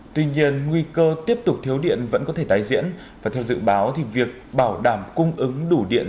tuy nhiên nguy cơ tiếp tục thiếu điện vẫn có thể tái diễn và theo dự báo thì việc bảo đảm cung ứng đủ điện